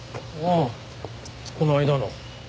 ああこの間の。